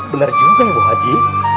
bener juga ya bu haji